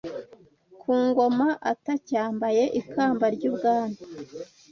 ku ngoma atacyambaye ikamba ry’ubwami